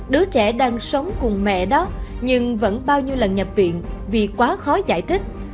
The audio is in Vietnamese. đứa trẻ đang sống cùng mẹ đó nhưng vẫn bao nhiêu lần nhập viện vì quá khó giải thích